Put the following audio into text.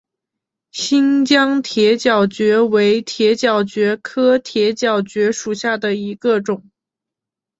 新疆铁角蕨为铁角蕨科铁角蕨属下的一个种。